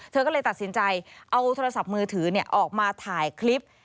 เธอก็เลยตัดสินใจเอาโทรศัพท์มือถือออกมาถ่ายคลิป